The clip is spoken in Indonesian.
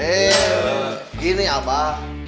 eh gini abah